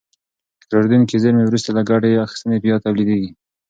تکرارېدونکې زېرمې وروسته له ګټې اخیستنې بیا تولیدېږي.